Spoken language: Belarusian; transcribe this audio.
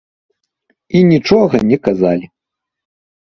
І нічога не казалі.